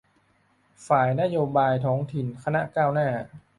ฝ่ายนโยบายท้องถิ่นคณะก้าวหน้า